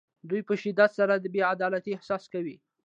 دوی په شدت سره د بې عدالتۍ احساس کوي.